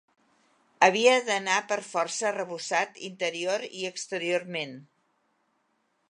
Havia d'anar per força arrebossat interior i exteriorment.